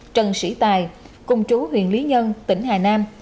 trần sĩ tài cùng chú huyện lý nhân tỉnh hà nam